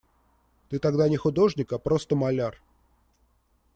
Ты тогда не художник, а просто маляр.